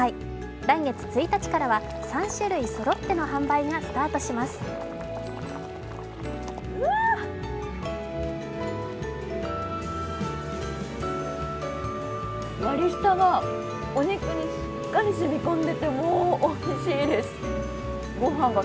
来月１日からは３種類そろっての販売がスタートします。